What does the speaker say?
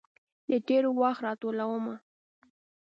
د تیروخت راټولومه